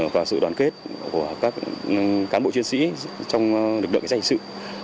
và sự đoàn kết của các cán bộ chuyên sĩ trong lực lượng giành sự